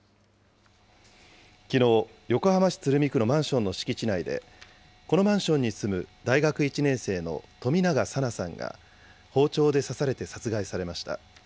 きのう、横浜市鶴見区のマンションの敷地内で、このマンションに住む大学１年生の冨永紗菜さんが包丁で刺されて殺害されました。